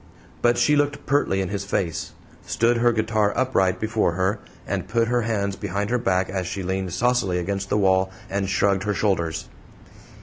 But she looked pertly in his face, stood her guitar upright before her, and put her hands behind her back as she leaned saucily against the wall and shrugged her shoulders.